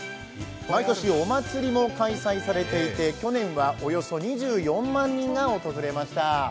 毎年、お祭りも開催されていて去年はおよそ２４万人が訪れました。